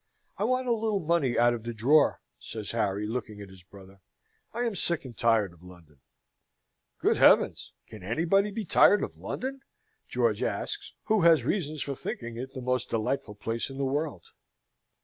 "I want a little money out of the drawer," says Harry, looking at his brother. "I am sick and tired of London." "Good heavens! Can anybody be tired of London?" George asks, who has reasons for thinking it the most delightful place in the world.